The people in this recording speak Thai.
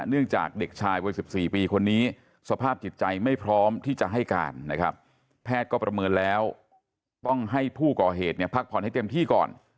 เนื่องจากเด็กชายวัย๑๔ปีคนนี้สภาพจิตใจไม่พร้อมที่จะให้การนะครับแพทย์ก็ประเมินแล้วต้องให้ผู้ก่อเหตุเนี่ยพักผ่อนให้เต็มที่ก่อน